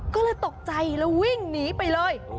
ก็เลยตกใจแล้ววิ่งหนีไปเลย